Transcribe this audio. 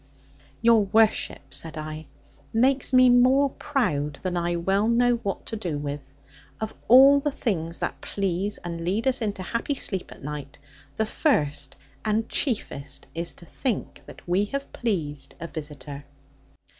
'Your worship,' said I, 'makes me more proud than I well know what to do with. Of all the things that please and lead us into happy sleep at night, the first and chiefest is to think that we have pleased a visitor.'